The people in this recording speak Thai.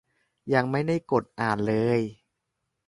ยังไม่ได้กดอ่านเลย